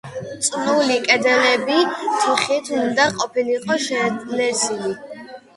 წნული კედლები თიხით უნდა ყოფილიყო შელესილი.